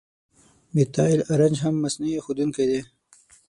میتایل آرنج هم مصنوعي ښودونکی دی.